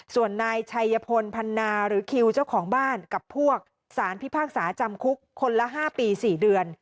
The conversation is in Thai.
ส่วนนายชัยพลพันนาหรือคิวเจ้าของบ้านกับพวกสารพิพากษาจำคุกคนละ๕ปี๔เดือน